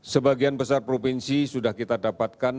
sebagian besar provinsi sudah kita dapatkan